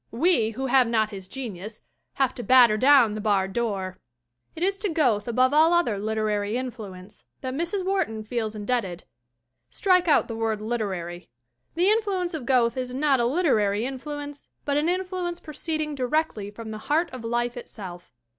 We, who have not his genius, have to batter down the barred door. It is to Goethe above all other literary influence that Mrs. Wharton feels indebted. Strike out the word "literary." The influence of Goethe is not a literary influence, but an influence proceeding directly from the heart of life itself.